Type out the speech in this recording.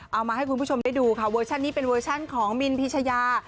เอามาให้คุณผู้ชมได้ดูค่ะเวอร์ชันนี้เป็นเวอร์ชันของมินพิชยา